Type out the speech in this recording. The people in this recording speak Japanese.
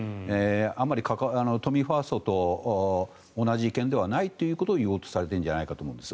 あまり都民ファーストと同じ意見ではないということを言おうとされているんじゃないかと思うんです。